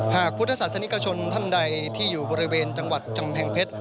หากพุทธศาสนิกชนท่านใดที่อยู่บริเวณจังหวัดกำแพงเพชร